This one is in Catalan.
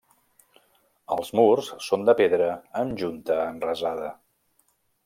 Els murs són de pedra amb junta enrasada.